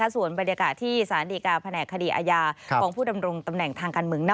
ส่วนบรรยากาศที่สารดีการแผนกคดีอาญาของผู้ดำรงตำแหน่งทางการเมือง